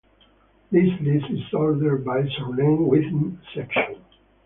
This list is ordered by surname within section.